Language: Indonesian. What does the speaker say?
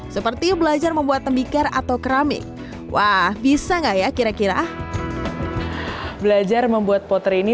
seperti belajar membuat tembikar atau keramik wah bisa nggak ya kira kira belajar membuat poter ini